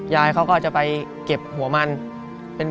ยายเขาก็จะไปเก็บหัวมัน